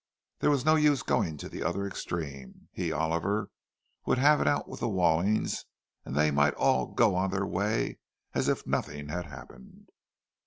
There was no use going to the other extreme: he, Oliver, would have it out with the Wallings, and they might all go on their way as if nothing had happened.